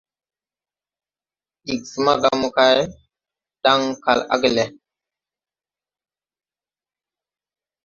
Ig smaga mokay, Ɗaŋ kal age le.